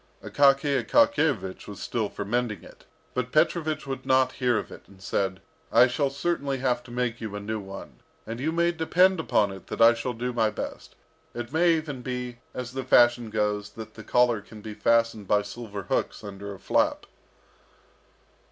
Akaky Akakiyevich was still for mending it, but Petrovich would not hear of it, and said, "I shall certainly have to make you a new one, and you may depend upon it that I shall do my best. It may even be, as the fashion goes, that the collar can be fastened by silver hooks under a flap."